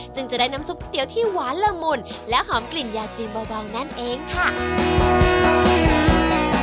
จะได้น้ำซุปก๋วยเตี๋ยวที่หวานละมุนและหอมกลิ่นยาจีนเบานั่นเองค่ะ